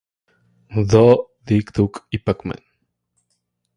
Do, Dig Dug y Pac-Man.